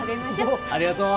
ありがとう。